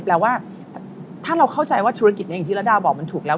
แปลว่าถ้าเราเข้าใจว่าธุรกิจนี้อย่างที่ระดาบอกมันถูกแล้ว